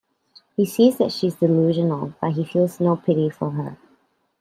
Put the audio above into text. He sees that she is delusional, but he feels no pity for her.